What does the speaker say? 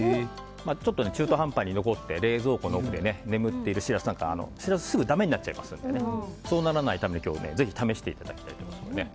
ちょっと中途半端に残って冷蔵庫の奥で眠っているしらすがすぐ、だめになっちゃうのでそうならないために今日はぜひ試していただきたいと思います。